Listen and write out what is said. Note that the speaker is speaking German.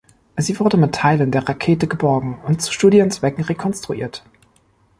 Sie wurde mit Teilen der Rakete geborgen und zu Studienzwecken rekonstruiert.